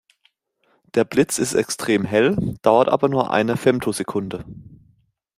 Der Blitz ist extrem hell, dauert aber nur eine Femtosekunde.